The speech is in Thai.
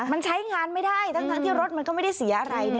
มันใช้งานไม่ได้ทั้งที่รถมันก็ไม่ได้เสียอะไร